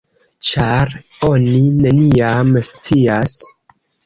Ĉar oni neniam scias!